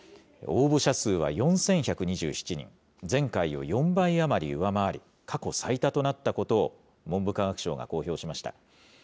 応募者数は４１２７人、前回を４倍余り上回り、過去最多となったことを文部科学省が公表しました。